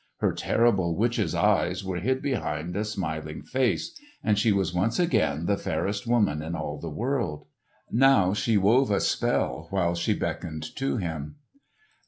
Her terrible witches' eyes were hid behind a smiling face, and she was once again the fairest woman in all the world. Now she wove a spell while she beckoned to him.